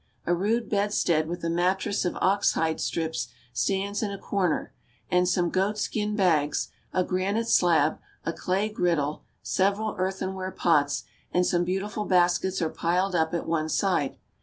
A rude bed stead with a mattress of ox hide strips stands in a corner, and some goatskin bags, a granite slab, a clay griddle, several earthenware pots, and some beautiful baskets are piled up at one side.